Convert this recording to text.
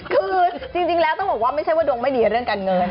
คือจริงแล้วต้องบอกว่าไม่ใช่ว่าดวงไม่ดีเรื่องการเงิน